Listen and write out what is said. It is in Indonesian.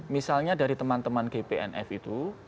misalnya dari teman teman gpnf itu